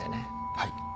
はい。